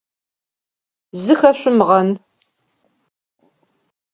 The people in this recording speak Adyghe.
Зыхэшъумгъэн.